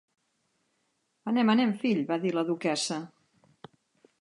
Anem, anem, fill!, va dir la duquessa.